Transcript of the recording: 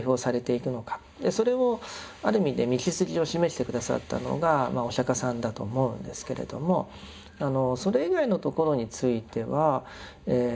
それをある意味で道筋を示して下さったのがお釈迦さんだと思うんですけれどもそれ以外の所についてはさまざまなものをですね